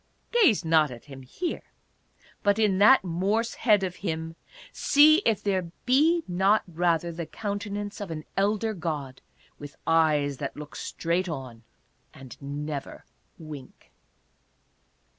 Gaze not at him here, but in that Morse head of him see if there be not rather the countenance of an elder god, with eyes that look straight on and never wink.